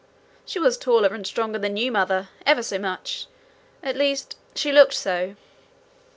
She was taller and stronger than you, Mother, ever so much! at least, she looked so.'